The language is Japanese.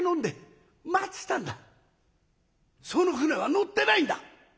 その舟は乗ってないんだ！」。